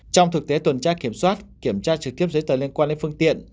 trong thực tế tuần tra kiểm soát kiểm tra trực tiếp giấy tờ liên quan đến phương tiện